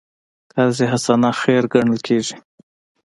قرض حسنه خیر ګڼل کېږي.